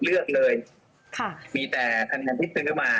เลือกเลยค่ะมีแต่คะแนนที่ซื้อมา